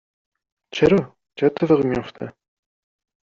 چرا، چه اتفاقی میفته؟